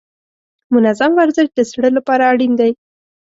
منظم ورزش د زړه لپاره اړین دی.